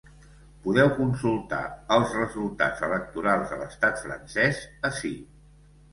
Podeu consultar els resultats electorals a l’estat francès ací.